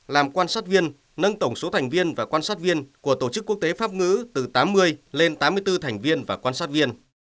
làm quan sát viên nâng tổng số thành viên và quan sát viên của tổ chức quốc tế pháp ngữ từ tám mươi lên tám mươi bốn thành viên và quan sát viên